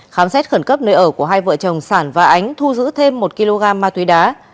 khám xét khẩn cấp nơi ở của hai vợ chồng sản và ánh thu giữ thêm một kg ma túy đá